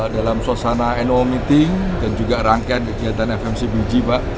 dalam suasana annual meeting dan juga rangkaian kegiatan fmcbg pak